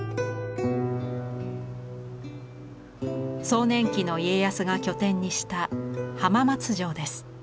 壮年期の家康が拠点にした浜松城です。